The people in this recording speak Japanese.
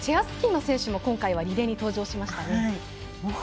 スキーの選手も今回はリレーに登場しましたね。